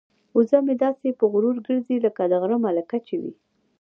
وزه مې داسې په غرور ګرځي لکه د غره ملکه چې وي.